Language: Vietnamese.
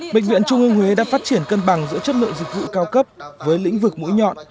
bệnh viện trung ương huế đã phát triển cân bằng giữa chất lượng dịch vụ cao cấp với lĩnh vực mũi nhọn